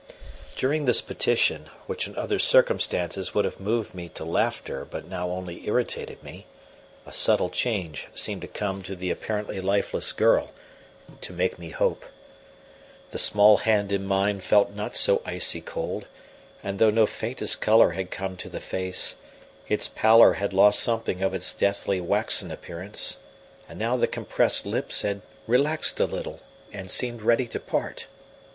During this petition, which in other circumstances would have moved me to laughter but now only irritated me, a subtle change seemed to come to the apparently lifeless girl to make me hope. The small hand in mine felt not so icy cold, and though no faintest colour had come to the face, its pallor had lost something of its deathly waxen appearance; and now the compressed lips had relaxed a little and seemed ready to part.